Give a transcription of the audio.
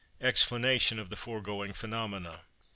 EXPLANATION OF THE FOREGOING PHENOMENA.